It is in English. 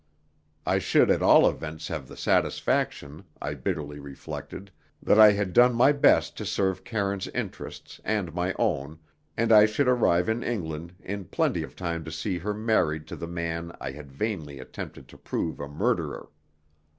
I should at all events have the satisfaction, I bitterly reflected, that I had done my best to serve Karine's interests and my own, and I should arrive in England in plenty of time to see her married to the man I had vainly attempted to prove a murderer.